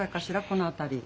この辺り。